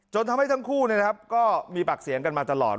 จนทำให้ทั้งคู่เนี่ยครับก็มีปากเสียงกันมาตลอด